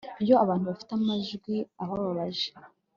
iyo abantu bafite amajwi ababaje